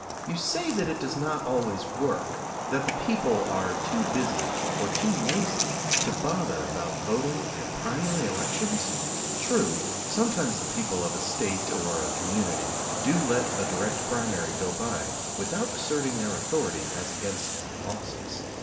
You say that it does not always work; that the people are too busy or too lazy to bother about voting at primary elections? True, sometimes the people of a state or a community do let a direct primary go by without asserting their authority as against the bosses.